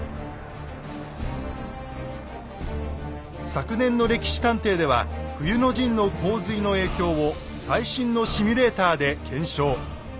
昨年の「歴史探偵」では冬の陣の洪水の影響を最新のシミュレーターで検証。